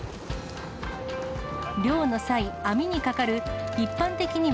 漁の際、網にかかる一般的に